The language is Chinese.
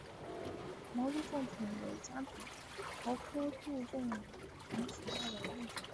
毛杜仲藤为夹竹桃科杜仲藤属下的一个种。